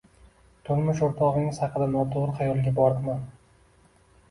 Turmush o`rtog`ingiz haqida noto`g`ri xayolga boribman